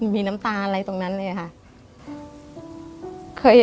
มีน้ำตาอะไรตรงนั้นเลยค่ะ